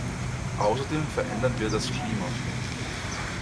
Außerdem verändern wir das Klima.